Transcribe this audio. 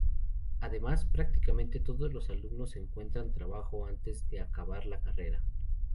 Además, prácticamente todos los alumnos encuentran trabajo antes de acabar la carrera.